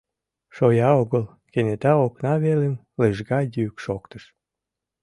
— Шоя огыл! — кенета окна велым лыжга йӱк шоктыш.